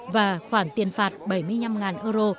và khoảng tiền phạt bảy mươi năm euro